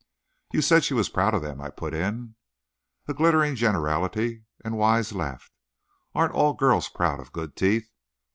"You said she was proud of them," I put in. "A glittering generality," and Wise laughed. "Aren't all girls proud of good teeth?